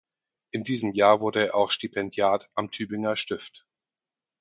In diesem Jahr wurde er auch Stipendiat am Tübinger Stift.